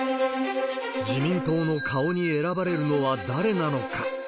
自民党の顔に選ばれるのは誰なのか。